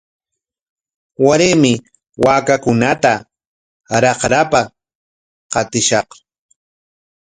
Waraymi waakakunata raqrapa qatishaq.